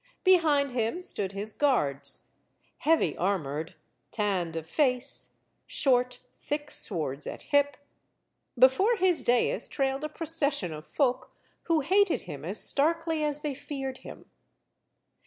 Behind him stood his guards; heavy armored, tanned of face; short, thick swords at hip. Before his dais trailed a procession of folk who hated him as starkly as they feared him.